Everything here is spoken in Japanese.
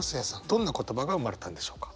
どんな言葉が生まれたんでしょうか？